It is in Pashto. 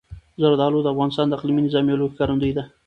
زردالو د افغانستان د اقلیمي نظام یوه لویه ښکارندوی ده.